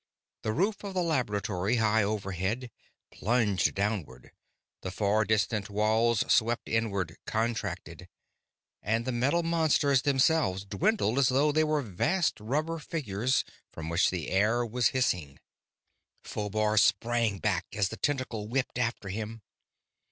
The roof of the laboratory high overhead plunged downward; the far distant walls swept inward, contracted. And the metal monsters themselves dwindled as though they were vast rubber figures from which the air was hissing. Phobar sprang back as the tentacle whipped after him.